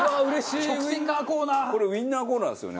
これウインナーコーナーですよね